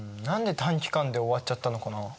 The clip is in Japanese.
何で短期間で終わっちゃったのかな？